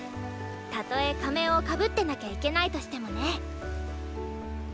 たとえ仮面を被ってなきゃいけないとしてもね。